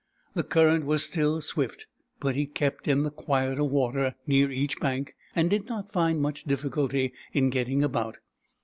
The cur rent was still swift, but he kept in the quieter water near each bank, and did not find much difficulty in getting about.